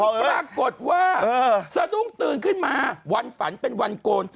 ปรากฏว่าสะดุ้งตื่นขึ้นมาวันฝันเป็นวันโกน